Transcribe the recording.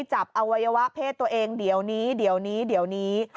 อวัยวะเพศตัวเองเดี๋ยวนี้เดี๋ยวนี้เดี๋ยวนี้